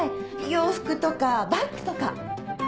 洋服とかバッグとか。